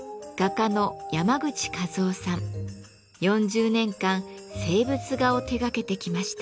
４０年間静物画を手がけてきました。